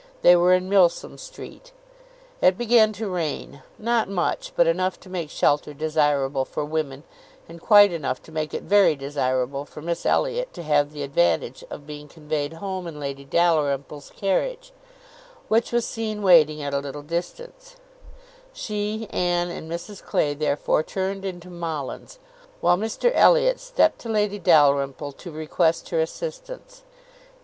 They were in Milsom Street. It began to rain, not much, but enough to make shelter desirable for women, and quite enough to make it very desirable for Miss Elliot to have the advantage of being conveyed home in Lady Dalrymple's carriage, which was seen waiting at a little distance; she, Anne, and Mrs Clay, therefore, turned into Molland's, while Mr Elliot stepped to Lady Dalrymple, to request her assistance.